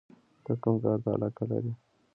ته کوم کار ته علاقه لرې؟